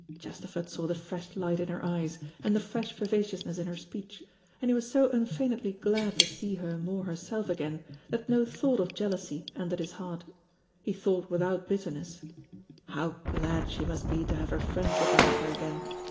Chesterford saw the fresh light in her eyes, and the fresh vivaciousness in her speech, and he was so unfeignedly glad to see her more herself again, that no thought of jealousy entered his heart. He thought without bitterness, "How glad she must be to have her friends about her again!